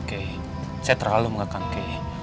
terhadap kay saya terlalu mengagakkan kay